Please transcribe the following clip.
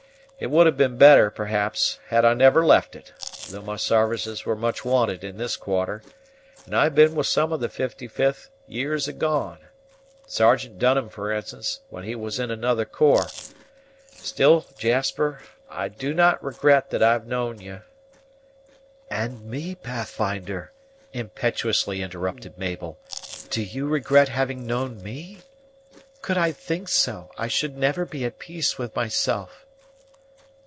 It would have been better, perhaps, had I never left it, though my sarvices were much wanted in this quarter, and I'd been with some of the 55th years agone; Sergeant Dunham, for instance, when he was in another corps. Still, Jasper, I do not regret that I've known you " "And me, Pathfinder!" impetuously interrupted Mabel; "do you regret having known me? Could I think so, I should never be at peace with myself."